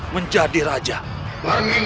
menjadi pahlawan yang berkembang